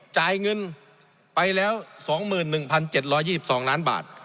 จ่ายเงินไปแล้ว๒๑๗๒๒ล้านบาท